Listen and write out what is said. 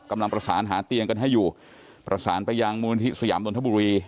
กำลังประสานหาเตียงกันให้อยู่ประสานไปยังมูลนิธิสยามนนทบุรี